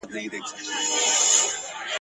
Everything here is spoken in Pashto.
كښېنستلى پر ځاى نه يمه بېكاره !.